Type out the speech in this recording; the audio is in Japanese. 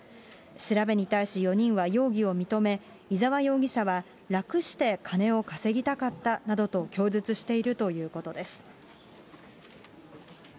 調べに対し、４人は容疑を認め、居沢容疑者は、楽して金を稼ぎたかったなどと供述しているということです。